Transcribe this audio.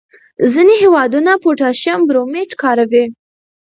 ځینې هېوادونه پوټاشیم برومیټ کاروي.